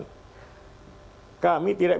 kami tidak bisa melakukan hal hal yang tidak diperlukan